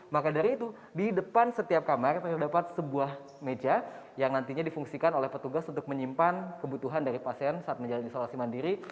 maka dari itu di depan setiap kamar terdapat sebuah meja yang nantinya difungsikan oleh petugas untuk menyimpan kebutuhan dari pasien saat menjalani isolasi mandiri